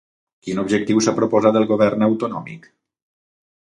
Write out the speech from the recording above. Quin objectiu s'ha proposat el govern autonòmic?